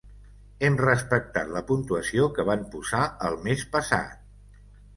Hem respectat la puntuació que van posar el mes passat.